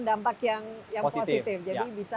dampak yang yang positif jadi bisa